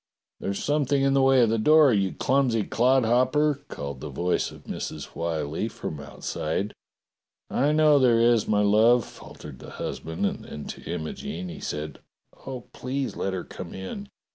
"There's something in the way of the door, you clumsy clodhopper!" called the voice of Mrs. Why Hie from out side. "I know there is, my love," faltered the husband, and then to Imogene he said: "Oh, please let her come in.